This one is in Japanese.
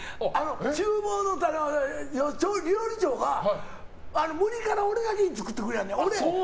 厨房の料理長が無理から、俺に作ってくれんねん。